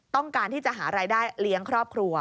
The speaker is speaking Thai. ต้องการที่จะหารายได้เลี้ยงครอบครัว